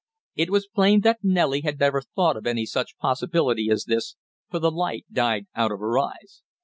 It was plain that Nellie had never thought of any such possibility as this, for the light died out of her eyes.